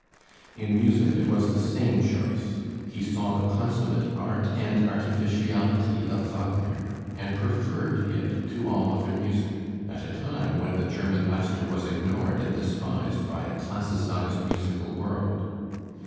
In music it was the same choice. He saw the consummate art and artificiality of Wagner, and preferred it to all other music, at a time when the German master was ignored and despised by a classicized musical world.